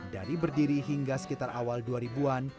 dari berdiri hingga sekitar awal dua ribu an